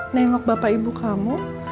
nengok bapak ibu kamu